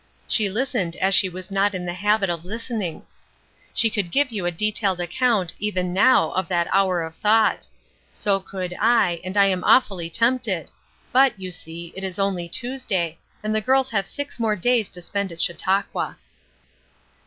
She listened as she was not in the habit of listening. She could give you a detailed account even now of that hour of thought; so could I, and I am awfully tempted; but, you see, it is only Tuesday, and the girls have six more days to spend at Chautauqua.